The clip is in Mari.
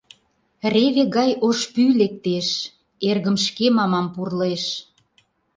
Реве гай ош пӱй лектеш, эргым шке мамам пурлеш.